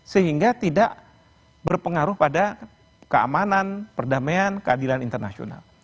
sehingga tidak berpengaruh pada keamanan perdamaian keadilan internasional